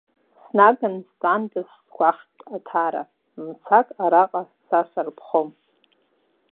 Снаган стәанда сгәахәт Аҭара, мцак араҟа са сарԥхом.